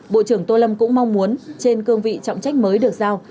bộ trưởng tô lâm cũng mong muốn trên cương vị trọng trách mới được giao